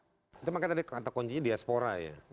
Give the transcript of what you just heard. itu makanya tadi kata kuncinya diaspora ya